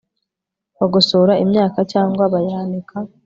bagosora imyaka cyangwa bayanika